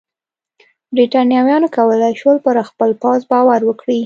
برېټانویانو کولای شول پر خپل پوځ باور وکړي.